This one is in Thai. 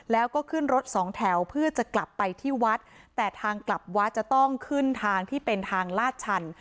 แล้วก็ขึ้นรถสองแถวเพื่อจะกลับไปที่วัดแต่ทางกลับวัดจะต้องขึ้นทางที่เป็นทางลาดชัน